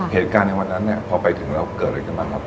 เหตุการณ์ในวันนั้นพอไปถึงแล้วเกิดอะไรกันบ้างครับ